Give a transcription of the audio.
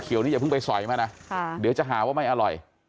เดี๋ยวนี้อย่าเพิ่งไปสอยมานะเดี๋ยวจะหาว่าไม่อร่อย